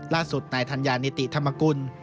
ล่าสุดในธรรมนิติธรรมกุล